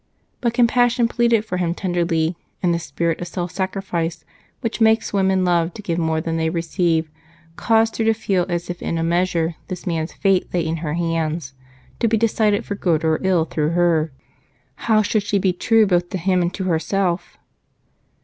But compassion pleaded for him tenderly, and the spirit of self sacrifice, which makes women love to give more than they receive, caused her to feel as if in a measure this man's fate lay in her hands, to be decided for good or ill through her. How should she be true both to him and to herself?